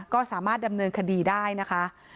ก็สามารถดำเนินคดีได้นะคะ